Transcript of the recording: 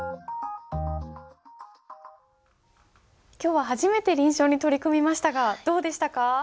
今日は初めて臨書に取り組みましたがどうでしたか？